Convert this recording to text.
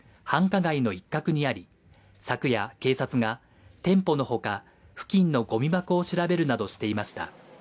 繁華街の一角にあり昨夜、警察が店舗のほか付近のゴミ箱を調べるなどしていました